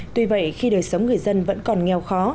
tuy vậy khi đời sống người dân vẫn còn nghèo khó